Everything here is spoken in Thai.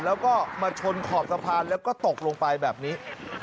แล้วก็มาชนขอบสะพานแล้วก็ตกลงไปแบบนี้